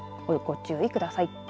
ご注意ください。